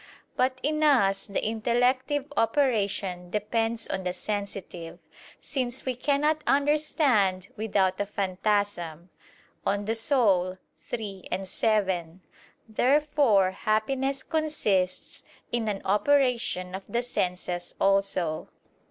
But in us the intellective operation depends on the sensitive: since "we cannot understand without a phantasm" (De Anima iii, 7). Therefore happiness consists in an operation of the senses also.